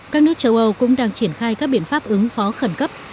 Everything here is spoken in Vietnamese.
các nước châu âu cũng đang triển khai các biện pháp ứng phó khẩn cấp